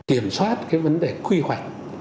kiểm soát cái vấn đề quy hoạch